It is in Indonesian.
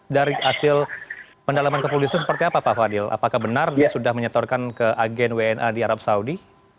dari hasil pendalaman kepolisian seperti apa pak fadil apakah benar dia sudah menyetorkan ke agen wna di arab saudi